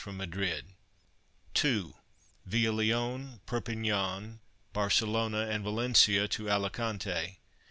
from Madrid); (2) viâ Lyons, Perpignan, Barcelona and Valencia to Alicante.